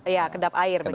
iya kedap air begitu